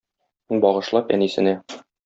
Багышлап әнисенә.